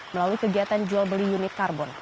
melalui kegiatan jual beli unit karbon